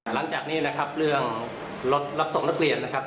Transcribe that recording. หลังจากนี้นะครับเรื่องรถรับส่งนักเรียนนะครับ